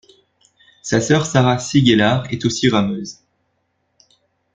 Sa sœur Sarah Siegelaar est aussi rameuse.